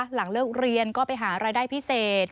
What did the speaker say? หลังเลิกเรียนก็ไปหารายได้พิเศษ